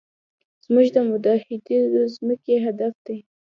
زموږ د متحدینو ځمکې هدف دی.